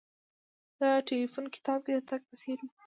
دا د ټیلیفون کتاب کې د تګ په څیر و